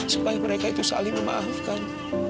supaya mereka itu saling memaafkan